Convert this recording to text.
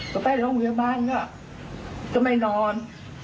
ก็ไปโรงพยาบาลก็จะไม่นอน